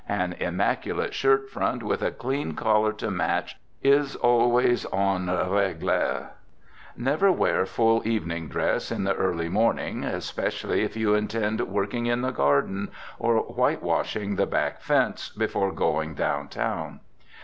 An immaculate shirt front with a clean collar to match, is always en règle. Never wear full evening dress in the early morning, especially if you intend working in the garden, or whitewashing the back fence, before going down town.